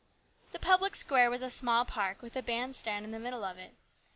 The public square was a small park with a band stand in the middle of it.